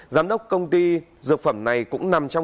giám đốc công ty dược phẩm này cũng nằm trong